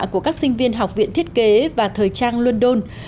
của các sinh viên học viện thiết kế và thời trang london